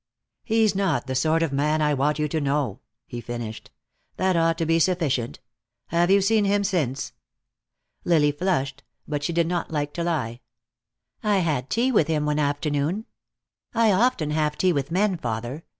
"He's not the sort of man I want you to know," he finished. "That ought to be sufficient. Have you seen him since?" Lily flushed, but she did not like to lie. "I had tea with him one afternoon. I often have tea with men, father.